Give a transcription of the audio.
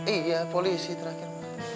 iya polisi terakhir